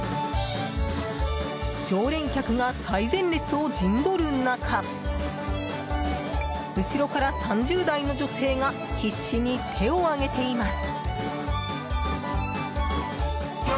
常連客が最前列を陣取る中後ろから、３０代の女性が必死に手を上げています。